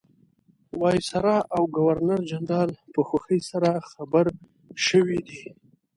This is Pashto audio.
وایسرا او ګورنرجنرال په خوښۍ سره خبر شوي دي.